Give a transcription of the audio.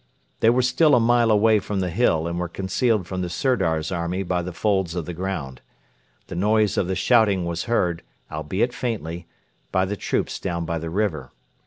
They were still a mile away from the hill, and were concealed from the Sirdar's army by the folds of the ground. The noise of the shouting was heard, albeit faintly, by the troops down by the river.